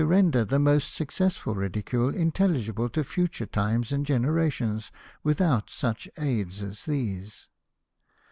render the most successful ridicule intelligible to future times and generations without such aids as these.